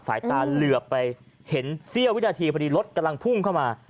สายตาเหลือบไปเห็นเสี้ยววินาทีพอดีรถกำลังพุ่งเข้ามา